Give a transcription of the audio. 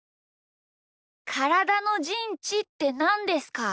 からだのじんちってなんですか？